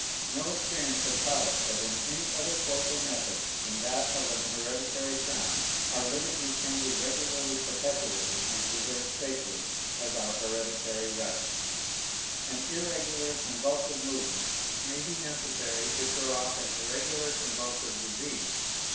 No experience has taught us that in any other course or method than that of an hereditary crown our liberties can be regularly perpetuated and preserved sacred as our hereditary right. An irregular, convulsive movement may be necessary to throw off an irregular, convulsive disease.